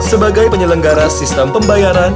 sebagai penyelenggara sistem pembayaran